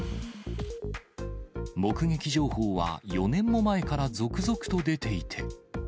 目撃情報は４年も前から続々と出ていて。